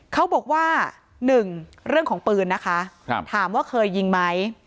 เขาบอกว่า๑เรื่องของปืนนะคะถามว่าเคยยิงไหม